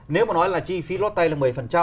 nếu mà nói là chi phí lót tay là một mươi